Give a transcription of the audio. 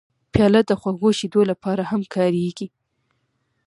پیاله د خوږو شیدو لپاره هم کارېږي.